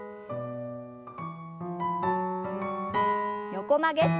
横曲げ。